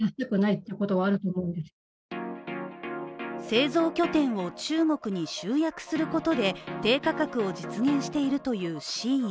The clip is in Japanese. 製造拠点を中国に集約することで低価格を実現しているというＳＨＥＩＮ。